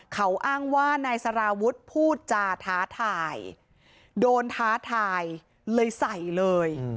เขาอ้างว่านายสารวุฒิพูดจาท้าทายโดนท้าทายเลยใส่เลย